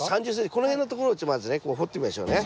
この辺のところをまずね掘ってみましょうね。